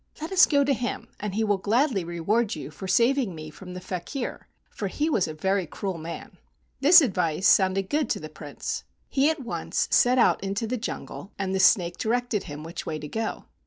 Let us go to him, and he will gladly reward you for saving me from the faker, for he was a very cruel man." This advice sounded good to the Prince. He at once set out into the jungle, and the snake directed him which way to go.